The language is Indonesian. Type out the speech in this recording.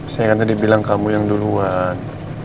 saya kan tadi bilang kamu yang duluan